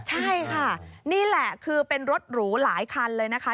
ใช่ค่ะนี่แหละคือเป็นรถหรูหลายคันเลยนะคะ